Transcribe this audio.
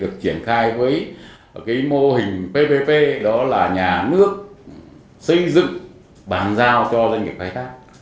chuyển khai với mô hình ppp đó là nhà nước xây dựng bàn giao cho doanh nghiệp khai thác